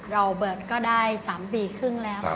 เราเปิดก็ได้๓ปีครึ่งแล้วค่ะ